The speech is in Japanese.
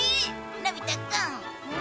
のび太くん